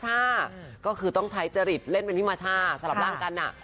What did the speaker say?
ให้น้องถึงใช้เจริสเล่นเป็นพิมจาสลับร่างกัน